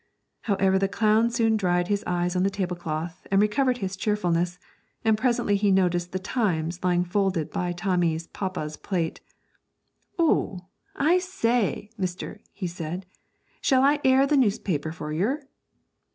However, the clown soon dried his eyes on the tablecloth, and recovered his cheerfulness; and presently he noticed the Times lying folded by Tommy's papa's plate. 'Oh, I say, mister,' he said, 'shall I air the newspaper for yer?'